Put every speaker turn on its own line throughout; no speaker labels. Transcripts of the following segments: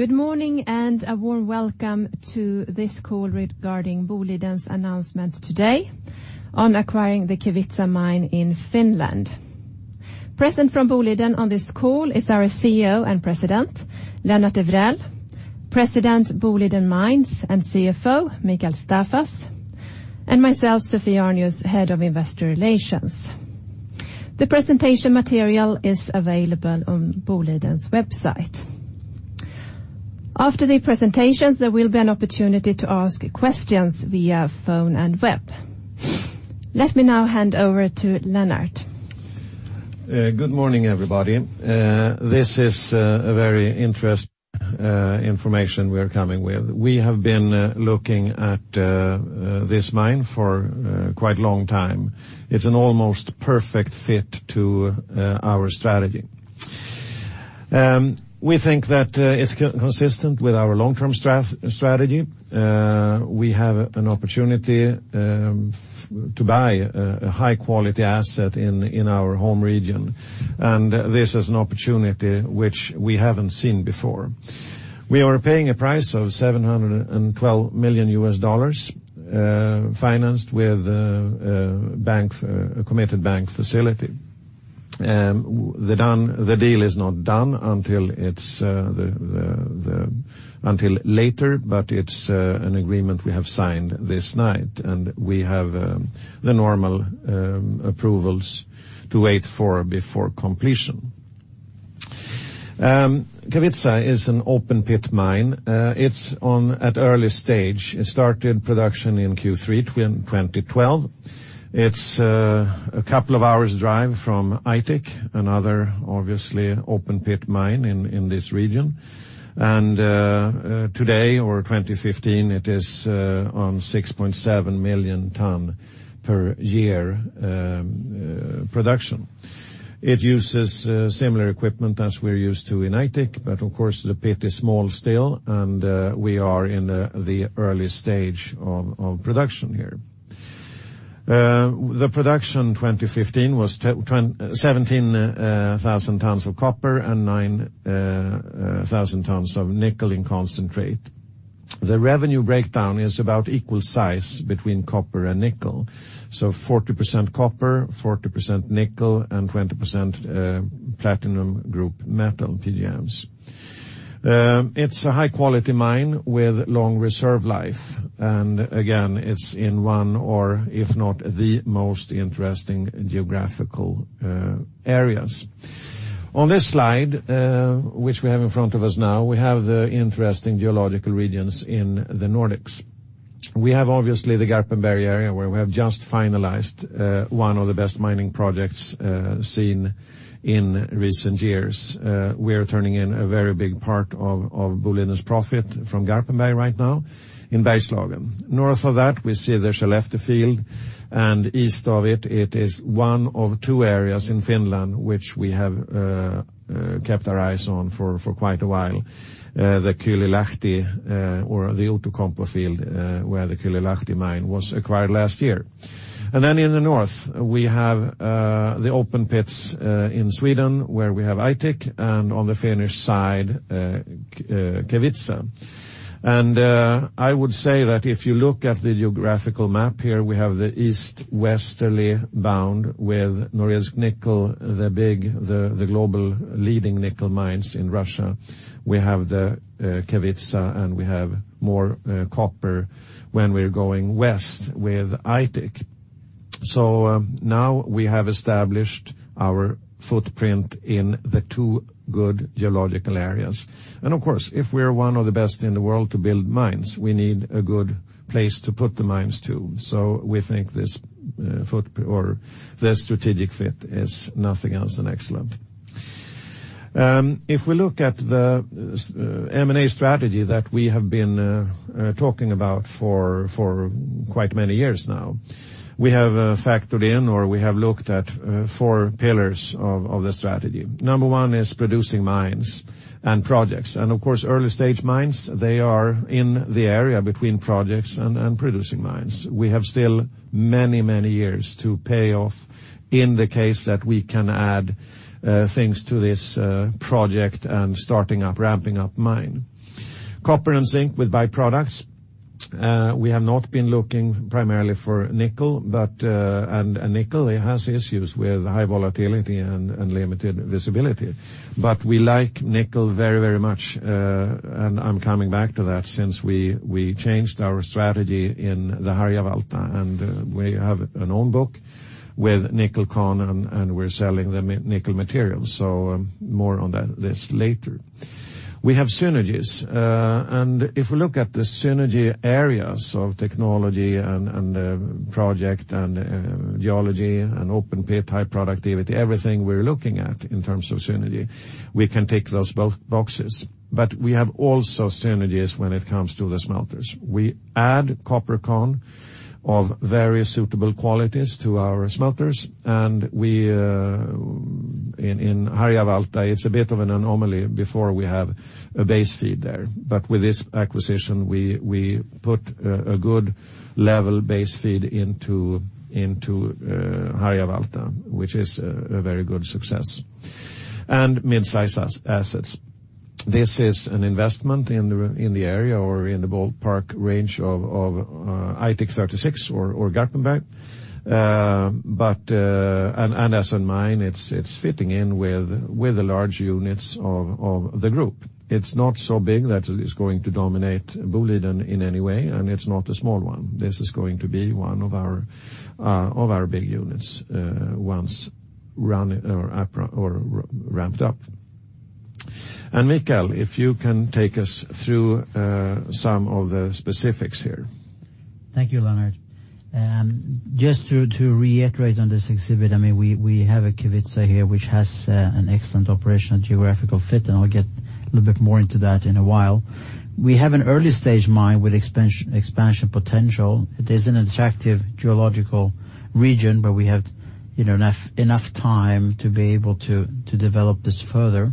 Good morning, and a warm welcome to this call regarding Boliden's announcement today on acquiring the Kevitsa mine in Finland. Present from Boliden on this call is our President and CEO, Lennart Evrell, President Boliden Mines and CFO, Mikael Staffas, and myself, Sophie Arnius, Director Investor Relations. The presentation material is available on boliden.com. After the presentations, there will be an opportunity to ask questions via phone and web. Let me now hand over to Lennart.
Good morning, everybody. This is a very interesting information we're coming with. We have been looking at this mine for quite a long time. It's an almost perfect fit to our strategy. We think that it's consistent with our long-term strategy. We have an opportunity to buy a high-quality asset in our home region. This is an opportunity which we haven't seen before. We are paying a price of $712 million, financed with a committed bank facility. The deal is not done until later, but it's an agreement we have signed this night. We have the normal approvals to wait for before completion. Kevitsa is an open pit mine. It's at early stage. It started production in Q3, 2012. It's a couple of hours drive from Aitik, another obviously open pit mine in this region. Today or 2015, it is on 6.7 million ton per year production. It uses similar equipment as we're used to in Aitik. Of course, the pit is small still. We are in the early stage of production here. The production 2015 was 17,000 tons of copper and 9,000 tons of nickel in concentrate. The revenue breakdown is about equal size between copper and nickel, so 40% copper, 40% nickel, and 20% platinum group metal, PGMs. It's a high-quality mine with long reserve life. Again, it's in one or if not the most interesting geographical areas. On this slide, which we have in front of us now, we have the interesting geological regions in the Nordics. We have obviously the Garpenberg area where we have just finalized one of the best mining projects seen in recent years. We are turning in a very big part of Boliden's profit from Garpenberg right now in Bergslagen. North of that, we see there's a Skellefte field. East of it is one of two areas in Finland which we have kept our eyes on for quite a while. The Kylylahti or the Outokumpu field, where the Kylylahti mine was acquired last year. In the north, we have the open pits in Sweden, where we have Aitik. On the Finnish side, Kevitsa. I would say that if you look at the geographical map here, we have the east-westerly bound with Norilsk Nickel, the big, the global leading nickel mines in Russia. We have the Kevitsa. We have more copper when we're going west with Aitik. Now we have established our footprint in the two good geological areas. Of course, if we're one of the best in the world to build mines, we need a good place to put the mines too. We think the strategic fit is nothing else than excellent. If we look at the M&A strategy that we have been talking about for quite many years now, we have factored in, or we have looked at 4 pillars of the strategy. Number 1 is producing mines and projects. Of course, early stage mines, they are in the area between projects and producing mines. We have still many years to pay off in the case that we can add things to this project and starting up, ramping up mine. copper and zinc with byproducts. We have not been looking primarily for nickel. Nickel, it has issues with high volatility and limited visibility. We like nickel very much. I'm coming back to that since we changed our strategy in the Harjavalta, we have an own book with nickel con, and we're selling the nickel materials. More on this later. We have synergies. If we look at the synergy areas of technology and project and geology and open pit high productivity, everything we're looking at in terms of synergy, we can tick those both boxes. We have also synergies when it comes to the smelters. We add copper con of very suitable qualities to our smelters, and in Harjavalta, it's a bit of an anomaly before we have a base feed there. With this acquisition, we put a good level base feed into Harjavalta, which is a very good success. Mid-size assets. This is an investment in the area or in the ballpark range of Aitik 36 or Garpenberg. An asset mine, it's fitting in with the large units of the group. It's not so big that it's going to dominate Boliden in any way, and it's not a small one. This is going to be one of our big units once ramped up. Mikael, if you can take us through some of the specifics here.
Thank you, Lennart. Just to reiterate on this exhibit, we have Kevitsa here, which has an excellent operational geographical fit, and I'll get a little bit more into that in a while. We have an early-stage mine with expansion potential. It is an attractive geological region where we have enough time to be able to develop this further.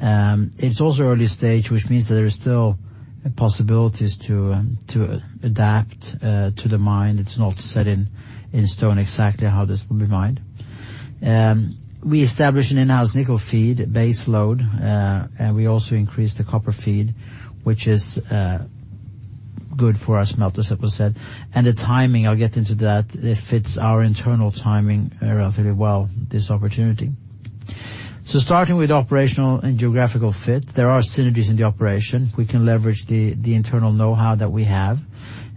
It's also early stage, which means that there are still possibilities to adapt to the mine. It's not set in stone exactly how this will be mined. We establish an in-house nickel feed base load, and we also increase the copper feed, which is good for our smelters, as was said. The timing, I'll get into that. It fits our internal timing relatively well, this opportunity. Starting with operational and geographical fit, there are synergies in the operation. We can leverage the internal know-how that we have.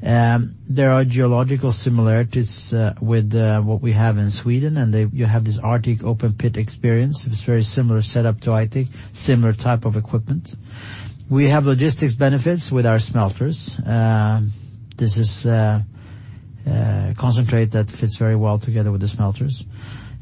There are geological similarities with what we have in Sweden, and you have this Arctic open pit experience. It's a very similar setup to Aitik, similar type of equipment. We have logistics benefits with our smelters. This is a concentrate that fits very well together with the smelters.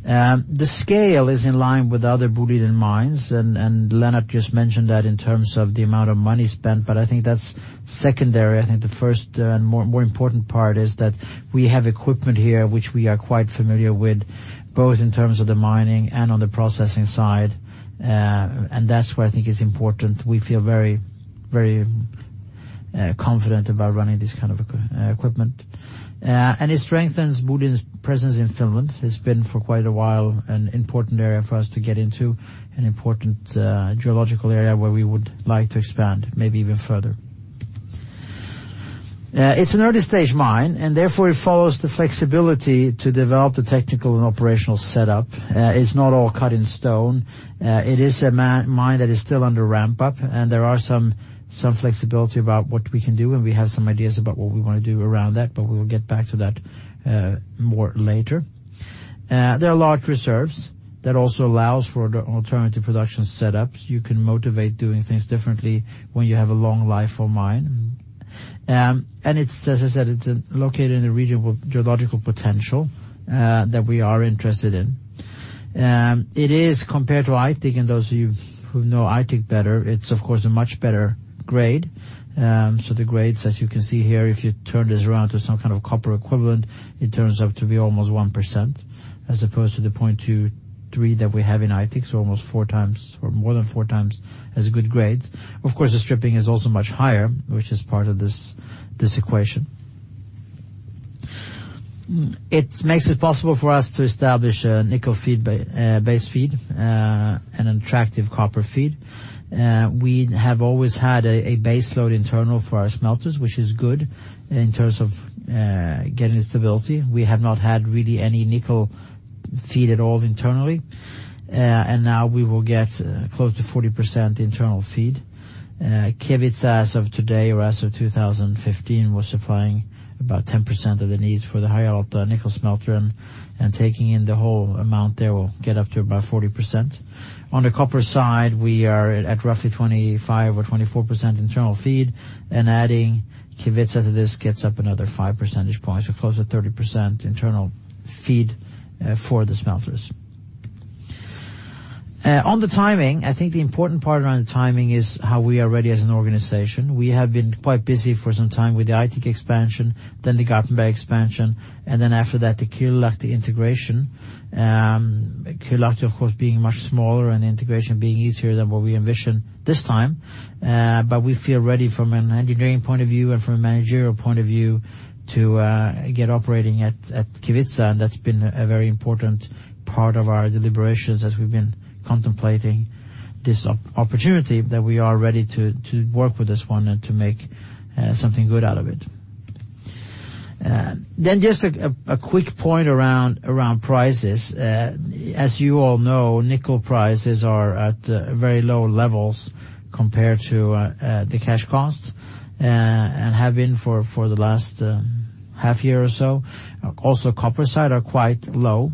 The scale is in line with other Boliden Mines, and Lennart just mentioned that in terms of the amount of money spent, but I think that's secondary. I think the first and more important part is that we have equipment here which we are quite familiar with, both in terms of the mining and on the processing side. That's where I think it's important. We feel very confident about running this kind of equipment. It strengthens Boliden's presence in Finland. It's been for quite a while an important area for us to get into, an important geological area where we would like to expand, maybe even further. It's an early-stage mine, and therefore it follows the flexibility to develop the technical and operational setup. It's not all cut in stone. It is a mine that is still under ramp-up, and there are some flexibility about what we can do, and we have some ideas about what we want to do around that, but we'll get back to that more later. There are large reserves that also allows for alternative production setups. You can motivate doing things differently when you have a long life for mine. As I said, it's located in a region with geological potential that we are interested in. It is compared to Aitik, and those of you who know Aitik better, it's of course a much better grade. The grades, as you can see here, if you turn this around to some kind of copper equivalent, it turns out to be almost 1%, as opposed to the 0.23 that we have in Aitik, so almost four times or more than four times as good grades. Of course, the stripping is also much higher, which is part of this equation. It makes it possible for us to establish a nickel base feed, an attractive copper feed. We have always had a base load internal for our smelters, which is good in terms of getting stability. We have not had really any nickel feed at all internally, and now we will get close to 40% internal feed. Kevitsa as of today or as of 2015 was supplying about 10% of the needs for the Harjavalta nickel smelter, and taking in the whole amount there will get up to about 40%. On the copper side, we are at roughly 25% or 24% internal feed, and adding Kevitsa to this gets up another five percentage points, so close to 30% internal feed for the smelters. On the timing, I think the important part around the timing is how we are ready as an organization. We have been quite busy for some time with the Aitik expansion, then the Garpenberg expansion, and then after that, the Kylylahti integration. Kylylahti, of course, being much smaller and integration being easier than what we envisioned this time. We feel ready from an engineering point of view and from a managerial point of view to get operating at Kevitsa. That's been a very important part of our deliberations as we've been contemplating this opportunity that we are ready to work with this one and to make something good out of it. Just a quick point around prices. As you all know, nickel prices are at very low levels compared to the cash cost and have been for the last half year or so. Copper side are quite low.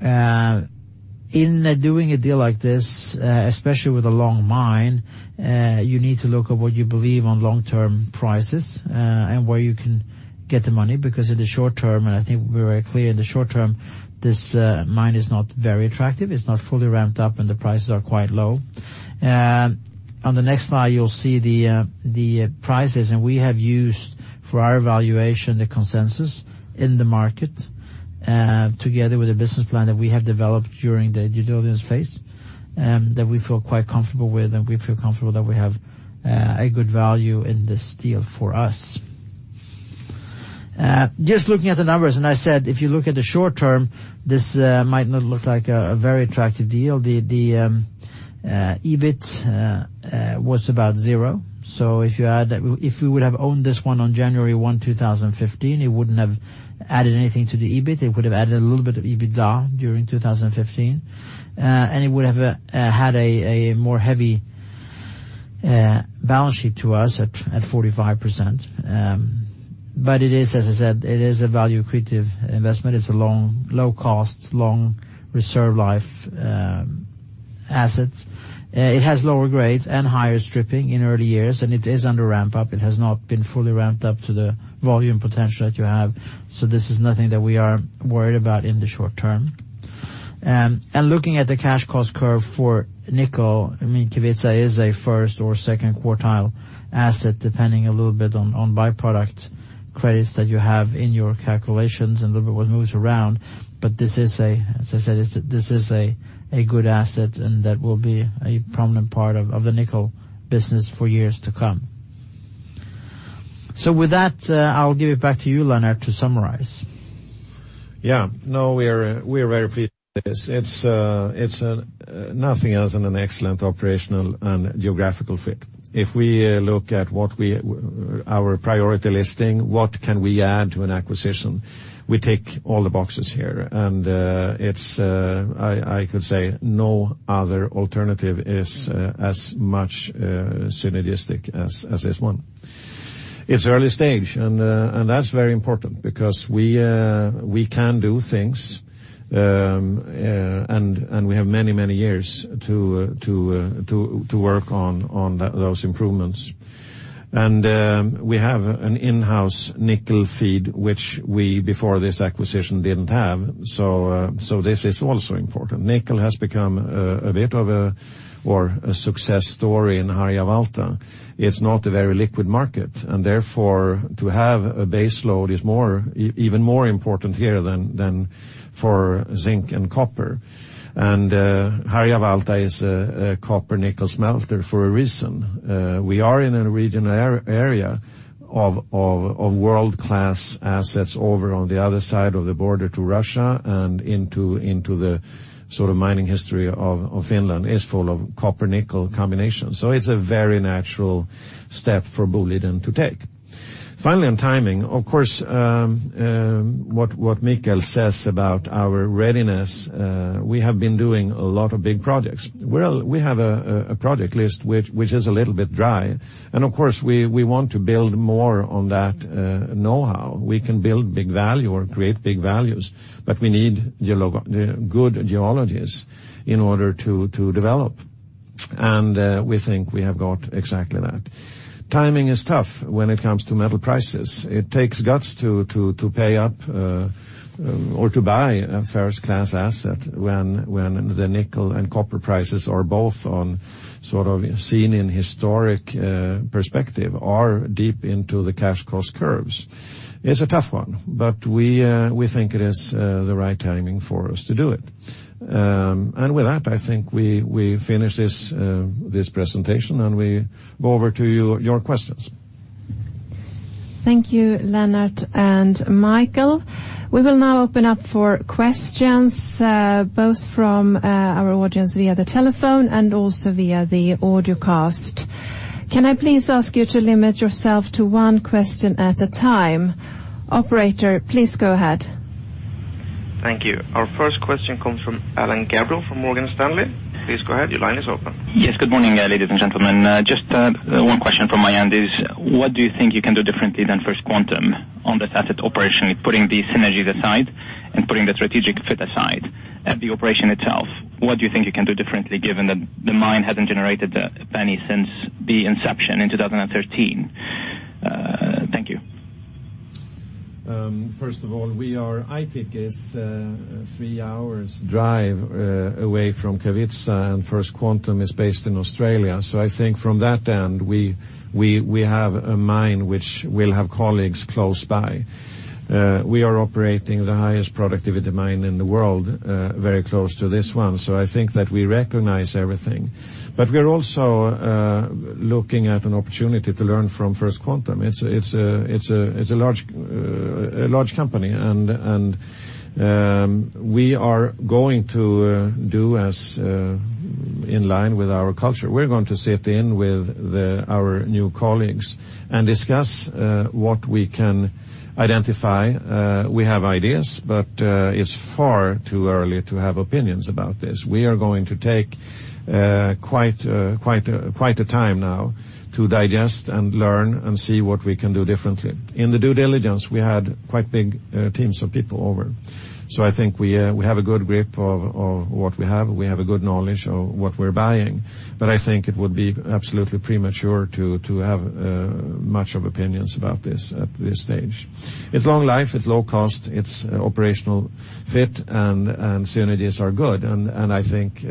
In doing a deal like this, especially with a long mine, you need to look at what you believe on long-term prices and where you can get the money, because in the short term, and I think we're very clear in the short term, this mine is not very attractive. It's not fully ramped up, and the prices are quite low. On the next slide, you'll see the prices. We have used for our evaluation the consensus in the market together with the business plan that we have developed during the due diligence phase that we feel quite comfortable with, and we feel comfortable that we have a good value in this deal for us. Just looking at the numbers, I said, if you look at the short term, this might not look like a very attractive deal. The EBIT was about zero. If we would have owned this one on January 1, 2015, it wouldn't have added anything to the EBIT. It would have added a little bit of EBITDA during 2015, and it would have had a more heavy balance sheet to us at 45%. As I said, it is a value-accretive investment. It's a low-cost, long reserve life asset. It has lower grades and higher stripping in early years. It is under ramp-up. It has not been fully ramped up to the volume potential that you have. This is nothing that we are worried about in the short term. Looking at the cash cost curve for nickel, Kevitsa is a first or second quartile asset, depending a little bit on by-product credits that you have in your calculations and a little bit what moves around. As I said, this is a good asset. That will be a prominent part of the nickel business for years to come. With that, I'll give it back to you, Lennart, to summarize.
Yeah. No, we are very pleased with this. It's nothing else than an excellent operational and geographical fit. If we look at our priority listing, what can we add to an acquisition? We tick all the boxes here. I could say no other alternative is as much synergistic as this one. It's early stage. That's very important because we can do things, and we have many years to work on those improvements. We have an in-house nickel feed, which we, before this acquisition, didn't have. This is also important. Nickel has become a bit of a success story in Harjavalta. It's not a very liquid market, and therefore, to have a base load is even more important here than for zinc and copper. Harjavalta is a copper-nickel smelter for a reason. We are in a regional area of world-class assets over on the other side of the border to Russia, and into the mining history of Finland is full of copper-nickel combinations. It's a very natural step for Boliden to take. Finally, on timing, of course, what Mikael says about our readiness, we have been doing a lot of big projects. Well, we have a project list which is a little bit dry, of course, we want to build more on that know-how. We can build big value or create big values, but we need good geologies in order to develop. We think we have got exactly that. Timing is tough when it comes to metal prices. It takes guts to pay up or to buy a first-class asset when the nickel and copper prices are both on sort of seen in historic perspective are deep into the cash cost curves. It's a tough one, but we think it is the right timing for us to do it. With that, I think we finish this presentation, and we go over to your questions.
Thank you, Lennart and Mikael. We will now open up for questions, both from our audience via the telephone and also via the audio cast. Can I please ask you to limit yourself to one question at a time? Operator, please go ahead.
Thank you. Our first question comes from Alan Gabriel from Morgan Stanley. Please go ahead. Your line is open.
Yes. Good morning, ladies and gentlemen. Just one question from my end is, what do you think you can do differently than First Quantum on this asset operationally, putting the synergies aside and putting the strategic fit aside at the operation itself? What do you think you can do differently given that the mine hasn't generated a SEK 0.01 since the inception in 2013? Thank you.
First of all, Aitik is three hours drive away from Kevitsa. First Quantum is based in Canada. I think from that end, we have a mine which will have colleagues close by. We are operating the highest productivity mine in the world, very close to this one. I think that we recognize everything. We're also looking at an opportunity to learn from First Quantum. It's a large company. We are going to do as in line with our culture. We're going to sit in with our new colleagues and discuss what we can identify. We have ideas, it's far too early to have opinions about this. We are going to take quite a time now to digest and learn and see what we can do differently. In the due diligence, we had quite big teams of people over. I think we have a good grip of what we have. We have a good knowledge of what we're buying. I think it would be absolutely premature to have much of opinions about this at this stage. It's long life, it's low cost, it's operational fit. Synergies are good. I think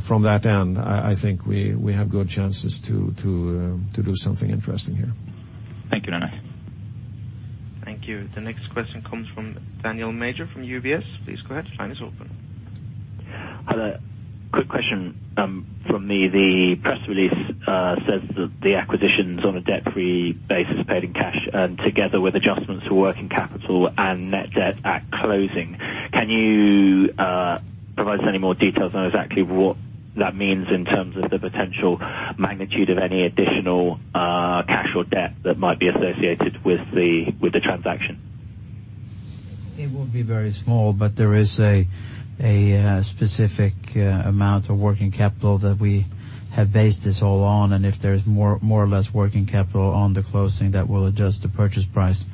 from that end, I think we have good chances to do something interesting here.
Thank you, Lennart.
Thank you. The next question comes from Daniel Major from UBS. Please go ahead. Line is open.
Hello. Quick question from me. The press release says that the acquisition's on a debt-free basis, paid in cash, and together with adjustments for working capital and net debt at closing. Can you provide us any more details on exactly what that means in terms of the potential magnitude of any additional cash or debt that might be associated with the transaction?
It will be very small, but there is a specific amount of working capital that we have based this all on, and if there's more or less working capital on the closing, that will adjust the purchase price.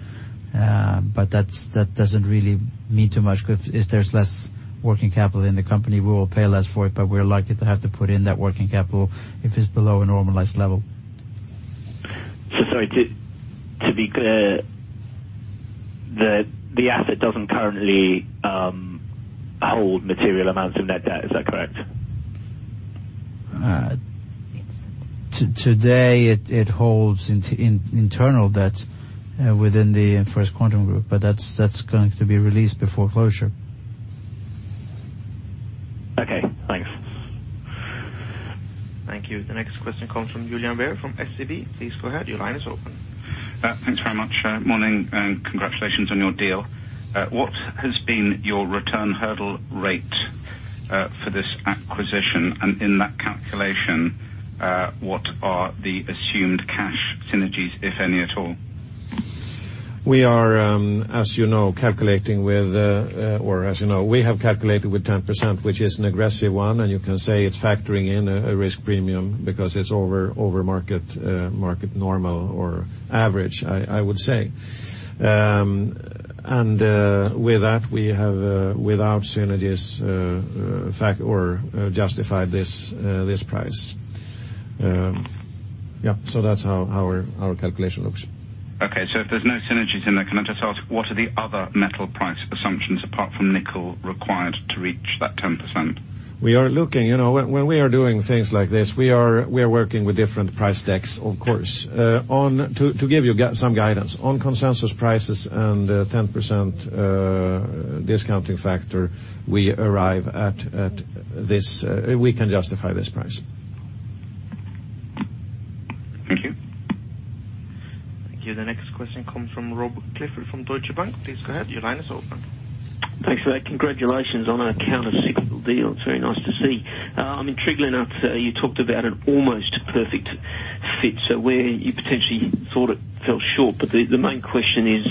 That doesn't really mean too much. If there's less working capital in the company, we will pay less for it, but we're likely to have to put in that working capital if it's below a normalized level.
Sorry, to be clear, the asset doesn't currently hold material amounts of net debt. Is that correct?
Today, it holds internal debt within the First Quantum Minerals, that's going to be released before closure.
Okay, thanks.
Thank you. The next question comes from Julian Beer from SEB. Please go ahead. Your line is open.
Thanks very much. Morning, congratulations on your deal. What has been your return hurdle rate for this acquisition? In that calculation, what are the assumed cash synergies, if any at all?
We are, as you know, we have calculated with 10%, which is an aggressive one, and you can say it's factoring in a risk premium because it's over market normal or average, I would say. With that, we have, without synergies, justified this price. Yeah. That's how our calculation looks.
Okay, if there's no synergies in there, can I just ask, what are the other metal price assumptions apart from nickel required to reach that 10%?
We are looking. When we are doing things like this, we are working with different price decks, of course. To give you some guidance, on consensus prices and 10% discounting factor, we arrive at this. We can justify this price.
Thank you.
Thank you. The next question comes from Robert Clifford from Deutsche Bank. Please go ahead. Your line is open.
Thanks for that. Congratulations on a counter-cyclical deal. It's very nice to see. I'm intrigued, Lennart, you talked about an almost perfect fit, so where you potentially thought it fell short. The main question is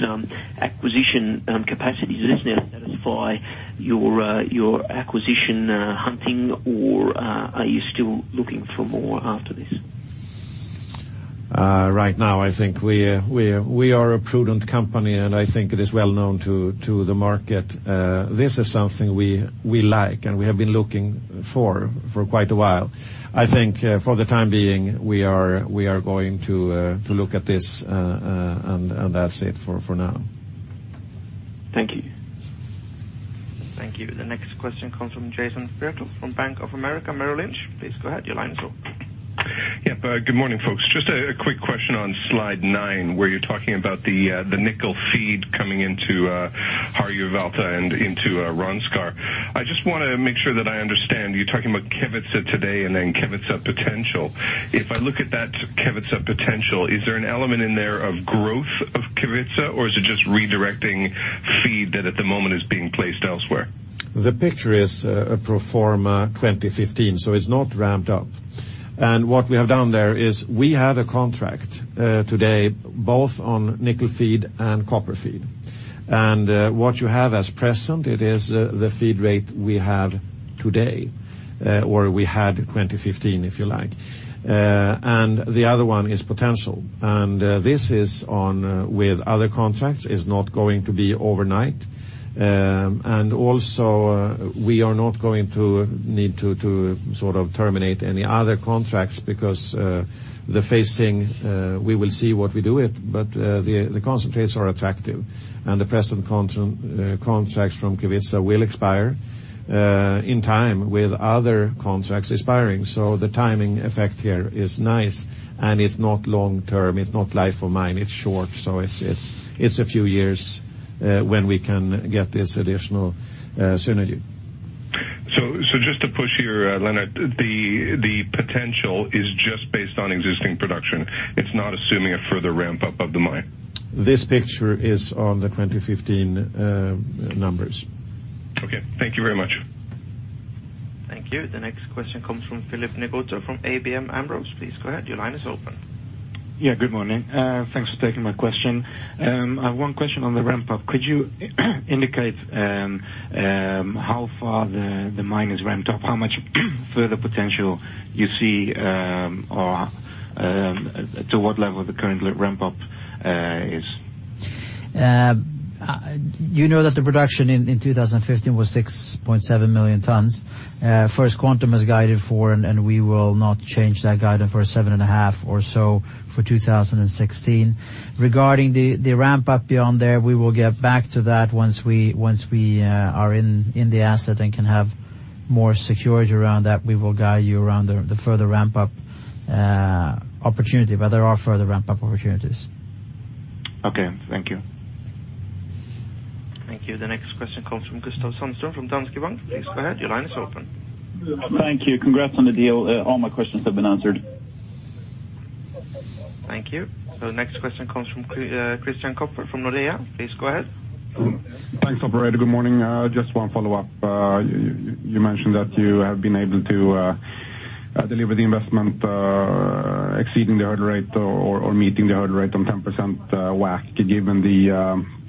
acquisition capacities. Does this now satisfy your acquisition hunting, or are you still looking for more after this?
Right now, I think we are a prudent company, and I think it is well known to the market. This is something we like, and we have been looking for quite a while. I think for the time being, we are going to look at this, and that's it for now.
Thank you.
Thank you. The next question comes from Jason Fairclough from Bank of America Merrill Lynch. Please go ahead. Your line is open.
Yep. Good morning, folks. Just a quick question on slide nine, where you're talking about the nickel feed coming into Harjavalta and into Rönnskär. I just want to make sure that I understand. You're talking about Kevitsa today and then Kevitsa potential. If I look at that Kevitsa potential, is there an element in there of growth of Kevitsa, or is it just redirecting feed that at the moment is being placed elsewhere?
The picture is a pro forma 2015, so it's not ramped up. What we have done there is we have a contract today both on nickel feed and copper feed. What you have as present, it is the feed rate we have today, or we had 2015, if you like. The other one is potential. This is with other contracts. It's not going to be overnight. Also, we are not going to need to terminate any other contracts because the phasing, we will see what we do it, but the concentrates are attractive, and the present contracts from Kevitsa will expire in time with other contracts expiring. The timing effect here is nice, and it's not long-term. It's not life of mine. It's short, so it's a few years when we can get this additional synergy.
Just to push here, Lennart, the potential is just based on existing production. It's not assuming a further ramp-up of the mine.
This picture is on the 2015 numbers.
Okay. Thank you very much.
Thank you. The next question comes from Philip Ngotho from ABN AMRO. Please go ahead. Your line is open.
Yeah, good morning. Thanks for taking my question. I have one question on the ramp-up. Could you indicate how far the mine is ramped up, how much further potential you see, or to what level the current ramp-up is?
You know that the production in 2015 was 6.7 million tons. First Quantum has guided for, we will not change that guidance for seven and a half or so for 2016. Regarding the ramp-up beyond there, we will get back to that once we are in the asset and can have more security around that. We will guide you around the further ramp-up opportunity, there are further ramp-up opportunities.
Okay, thank you.
Thank you. The next question comes from Gustav Sundström from Danske Bank. Please go ahead. Your line is open.
Thank you. Congrats on the deal. All my questions have been answered.
Thank you. Next question comes from Christian Kopfer from Nordea. Please go ahead.
Thanks, operator. Good morning. Just one follow-up. You mentioned that you have been able to deliver the investment exceeding the hurdle rate or meeting the hurdle rate on 10% WACC, given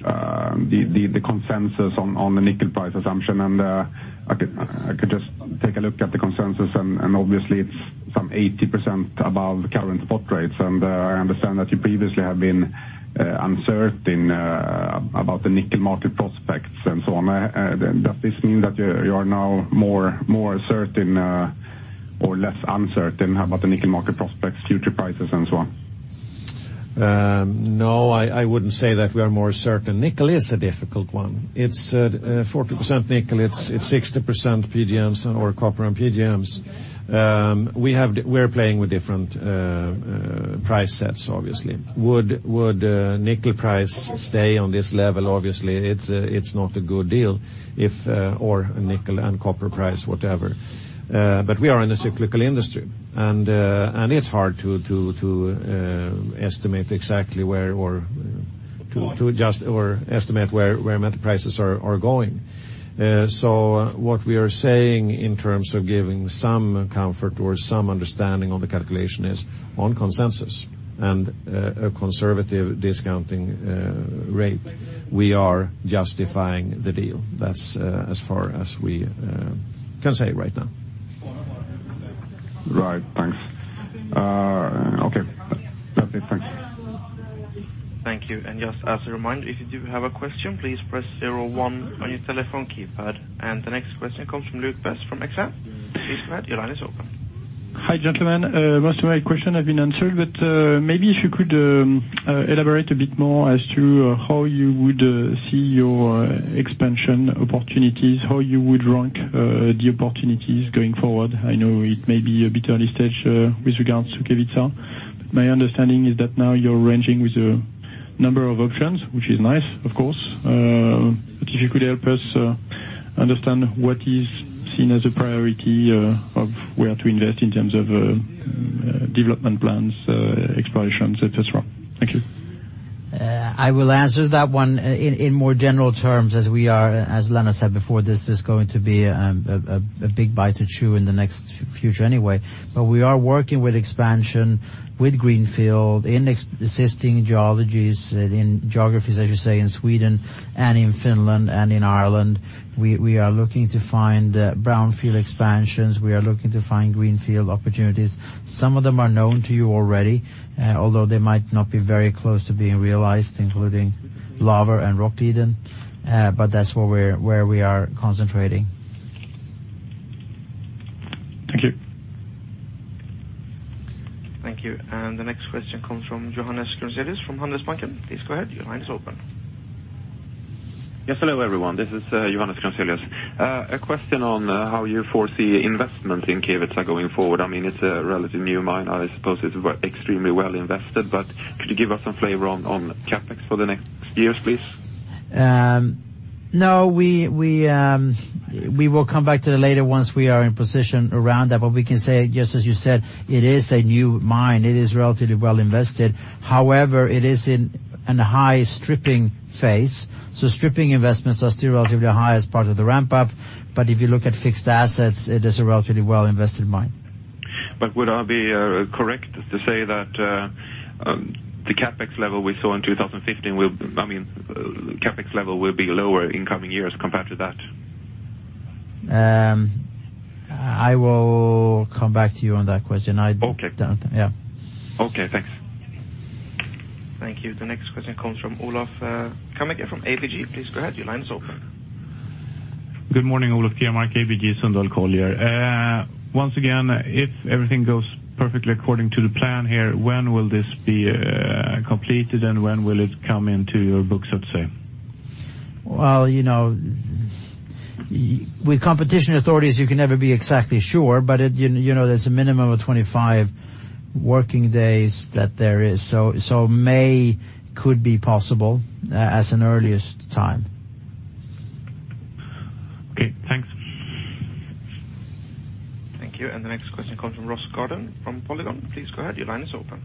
the consensus on the nickel price assumption. I could just take a look at the consensus and obviously it's some 80% above the current spot rates. I understand that you previously have been uncertain about the nickel market prospects and so on. Does this mean that you are now more certain or less uncertain about the nickel market prospects, future prices and so on?
No, I wouldn't say that we are more certain. nickel is a difficult one. It's 40% nickel, it's 60% PGMs or copper and PGMs. We're playing with different price sets, obviously. Would nickel price stay on this level? Obviously, it's not a good deal. Or nickel and copper price, whatever. We are in a cyclical industry, and it's hard to estimate exactly where or to adjust or estimate where metal prices are going. What we are saying in terms of giving some comfort or some understanding on the calculation is on consensus and a conservative discounting rate. We are justifying the deal. That's as far as we can say right now.
Right. Thanks. Okay. Perfect, thank you.
Thank you. Just as a reminder, if you do have a question, please press zero one on your telephone keypad. The next question comes from Luke Nelson from Exane. Please go ahead. Your line is open.
Hi, gentlemen. Most of my question have been answered. Maybe if you could elaborate a bit more as to how you would see your expansion opportunities, how you would rank the opportunities going forward. I know it may be a bit early stage with regards to Kevitsa. My understanding is that now you're ranging with a number of options, which is nice, of course. If you could help us understand what is seen as a priority of where to invest in terms of development plans, explorations, et cetera. Thank you.
I will answer that one in more general terms, as Lennart said before, this is going to be a big bite to chew in the next future anyway. We are working with expansion with Greenfield in existing geologies, in geographies, I should say, in Sweden and in Finland and in Ireland. We are looking to find brownfield expansions. We are looking to find greenfield opportunities. Some of them are known to you already, although they might not be very close to being realized, including Laver and Rävliden. That's where we are concentrating.
Thank you.
Thank you. The next question comes from Johannes Grunselius from Handelsbanken. Please go ahead. Your line is open.
Yes, hello, everyone. This is Johannes Grunselius. A question on how you foresee investment in Kevitsa going forward. It's a relatively new mine. I suppose it's extremely well invested, but could you give us some flavor on CapEx for the next years, please?
No, we will come back to that later once we are in position around that. We can say, just as you said, it is a new mine. It is relatively well invested. However, it is in a high stripping phase. Stripping investments are still relatively high as part of the ramp-up. If you look at fixed assets, it is a relatively well invested mine.
Would I be correct to say that the CapEx level we saw in 2015 will be lower in coming years compared to that?
I will come back to you on that question.
Okay.
Yeah.
Okay, thanks.
Thank you. The next question comes from Olof Grenmark from ABG. Please go ahead. Your line is open.
Good morning, Olof Grenmark, ABG Sundal Collier. Once again, if everything goes perfectly according to the plan here, when will this be completed and when will it come into your books, let's say?
Well, with competition authorities, you can never be exactly sure, but there's a minimum of 25 working days that there is. May could be possible as an earliest time.
Okay, thanks.
Thank you. The next question comes from Ross Gordon from Polygon. Please go ahead. Your line is open.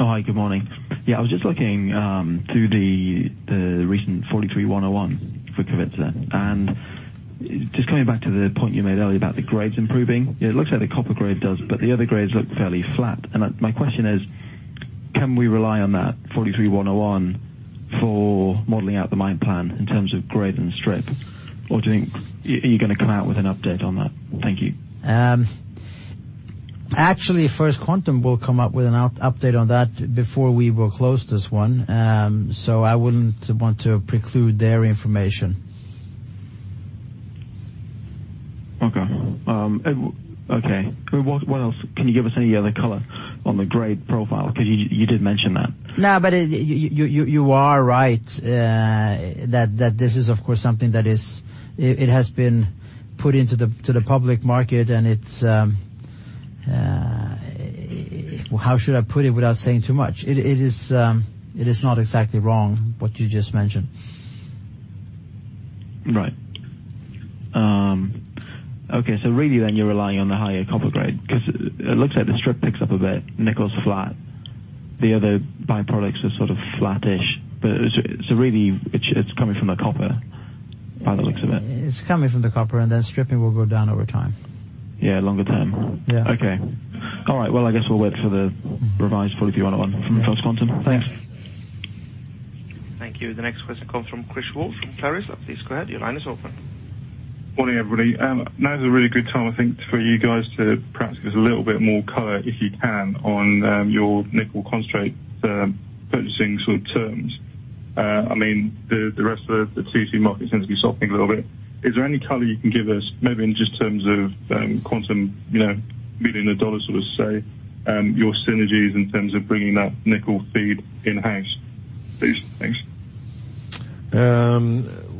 Oh, hi. Good morning. Yeah, I was just looking to the recent 43-101 for Kevitsa. Just coming back to the point you made earlier about the grades improving, it looks like the copper grade does, but the other grades look fairly flat. My question is, can we rely on that 43-101 for modeling out the mine plan in terms of grade and strip, or are you going to come out with an update on that? Thank you.
Actually, First Quantum will come up with an update on that before we will close this one. I wouldn't want to preclude their information.
Okay. What else? Can you give us any other color on the grade profile? You did mention that.
No, you are right that this is, of course, something that it has been put into the public market. How should I put it without saying too much? It is not exactly wrong what you just mentioned.
Right. Okay, really you're relying on the higher copper grade because it looks like the strip picks up a bit, nickel's flat. The other by-products are sort of flattish, really it's coming from the copper by the looks of it.
It's coming from the copper, and then stripping will go down over time.
Yeah, longer term.
Yeah.
Okay. All right. Well, I guess we'll wait for the revised 43-101 from First Quantum. Thanks.
Thank you. The next question comes from Chris Wolfe from Clarus. Please go ahead. Your line is open.
Morning, everybody. Now is a really good time, I think, for you guys to perhaps give us a little bit more color, if you can, on your nickel concentrate purchasing sort of terms. The rest of the CC market seems to be softening a little bit. Is there any color you can give us maybe in just terms of [inaudible] sort of say, your synergies in terms of bringing that nickel feed in-house, please? Thanks.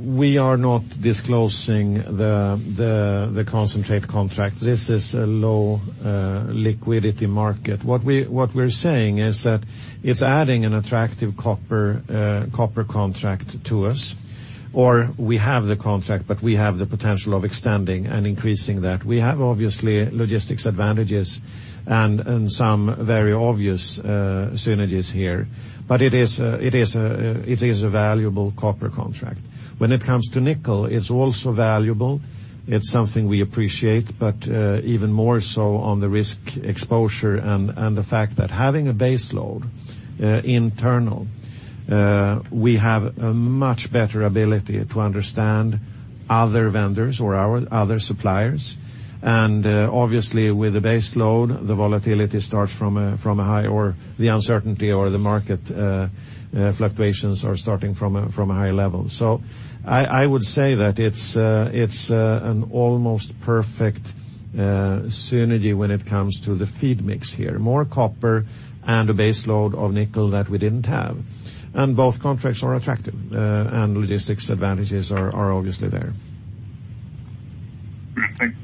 We are not disclosing the concentrate contract. This is a low liquidity market. What we are saying is that it is adding an attractive copper contract to us, or we have the contract, but we have the potential of extending and increasing that. We have, obviously, logistics advantages and some very obvious synergies here. It is a valuable copper contract. When it comes to nickel, it is also valuable. It is something we appreciate, but even more so on the risk exposure and the fact that having a base load internal, we have a much better ability to understand other vendors or our other suppliers. Obviously, with the base load, the volatility starts from a high, or the uncertainty or the market fluctuations are starting from a high level. I would say that it is an almost perfect synergy when it comes to the feed mix here. More copper and a base load of nickel that we didn't have. Both contracts are attractive, and logistics advantages are obviously there.
Right. Thank you.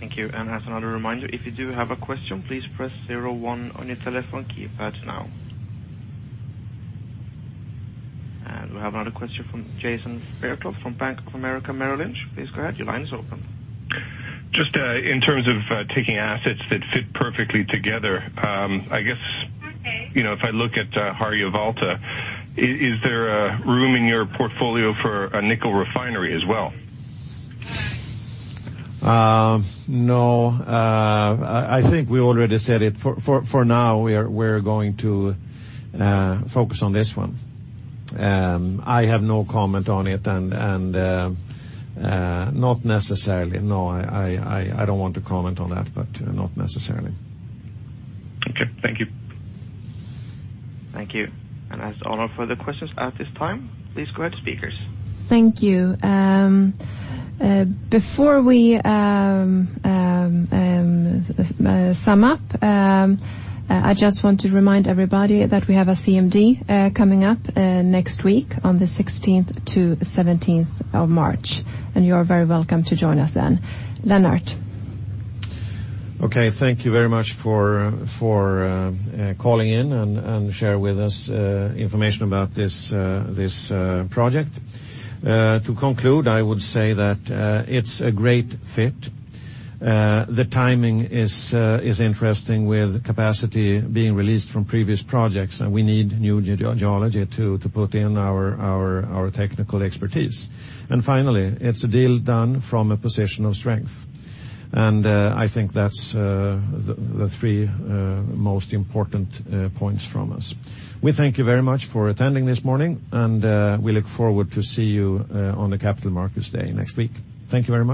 Thank you. As another reminder, if you do have a question, please press zero one on your telephone keypad now. We have another question from Jason Fairclough from Bank of America Merrill Lynch. Please go ahead. Your line is open.
Just in terms of taking assets that fit perfectly together, I guess, if I look at Harjavalta, is there room in your portfolio for a nickel refinery as well?
No. I think we already said it. For now, we're going to focus on this one. I have no comment on it, not necessarily. No, I don't want to comment on that, not necessarily.
Okay. Thank you.
Thank you. As all of further questions at this time, please go ahead, speakers.
Thank you. Before we sum up, I just want to remind everybody that we have a CMD coming up next week on the 16th to 17th of March. You are very welcome to join us then. Lennart.
Okay. Thank you very much for calling in and share with us information about this project. To conclude, I would say that it's a great fit. The timing is interesting with capacity being released from previous projects. We need new geology to put in our technical expertise. Finally, it's a deal done from a position of strength. I think that's the three most important points from us. We thank you very much for attending this morning. We look forward to see you on the Capital Markets Day next week. Thank you very much.